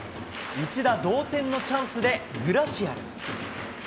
一打同点のチャンスで、グラシアル。